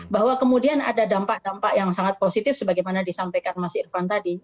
bahwa kemudian ada dampak dampak yang sangat positif sebagaimana disampaikan mas irvan tadi